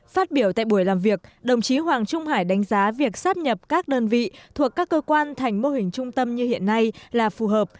phát biểu tại buổi làm việc đồng chí hoàng trung hải đánh giá việc sắp nhập các đơn vị thuộc các cơ quan thành mô hình trung tâm như hiện nay là phù hợp